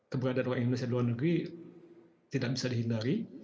keberadaan orang indonesia di luar negeri tidak bisa dihindari